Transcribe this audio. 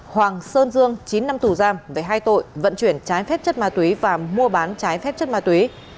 hoàng sơn dương chín năm tù giam về hai tội vận chuyển trái phép chất ma túy và mua bán trái phép chất ma túy